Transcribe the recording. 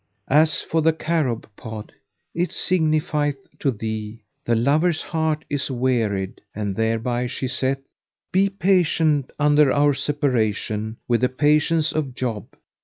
As for the carob pod[FN#510] it signifieth to thee, 'The lover's heart is wearied'; and thereby she saith, 'Be patient under our separation with the patience of Job.'